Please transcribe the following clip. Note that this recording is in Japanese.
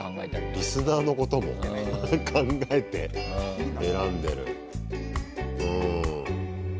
リスナーのことも考えて選んでる。